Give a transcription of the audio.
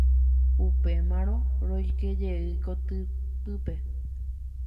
Upémarõ roikejey kotypýpe.